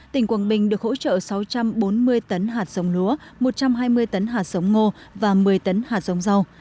tỉnh quảng bình được hỗ trợ sáu trăm bốn mươi tấn hạt sống lúa một trăm hai mươi tấn hạt sống ngô và một mươi tấn hạt sống rau